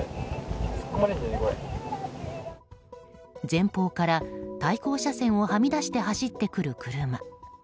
前方から対向車線をはみ出して走ってくる車。